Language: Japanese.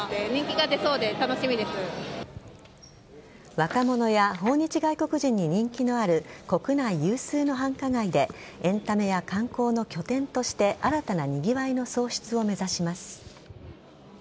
若者や訪日外国人に人気のある国内有数の繁華街でエンタメや観光の拠点として新たなにぎわいの創出を目指します。